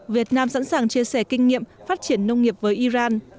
việt nam sẵn sàng chia sẻ kinh nghiệm phát triển nông nghiệp với iran